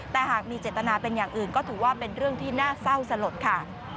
แต่หากมีเจตนาเป็นอย่างอื่นก็ถือว่าเป็นเรื่องที่น่าเศร้าสลดค่ะ